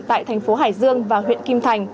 tại thành phố hải dương và huyện kim thành